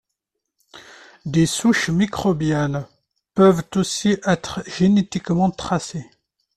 Des souches microbiennes peuvent aussi être génétiquement tracées.